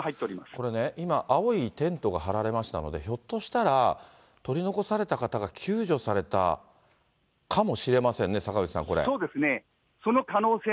これね、今、青いテントが張られましたので、ひょっとしたら、取り残された方が救助されたかもしれませんね、そうですね。